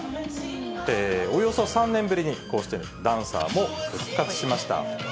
およそ３年ぶりにこうしてダンサーも復活しました。